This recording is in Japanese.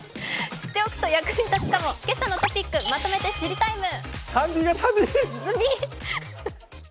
知っておくと役に立つかも「けさのトピックまとめて知りＴＩＭＥ，」。